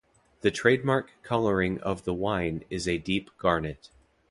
The trademark coloring of the wine is a deep garnet.